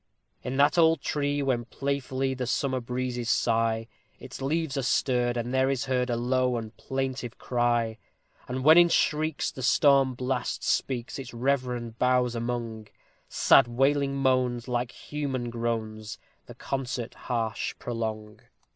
In that old tree when playfully the summer breezes sigh, Its leaves are stirred, and there is heard a low and plaintive cry; And when in shrieks the storm blast speaks its reverend boughs among, Sad wailing moans, like human groans, the concert harsh prolong.